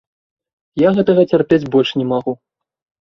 Я гэтага цярпець больш не магу!